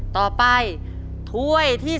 ต่อไปถ้วยที่๒